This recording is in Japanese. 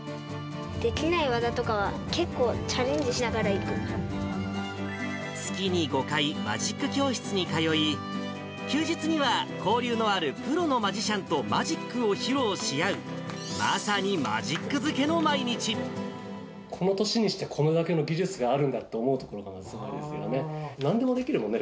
できない技とかは結構チャレ月に５回、マジック教室に通い、休日には交流のあるプロのマジシャンとマジックを披露し合う、この年にして、これだけの技術があるんだって思うところがすごいですよね。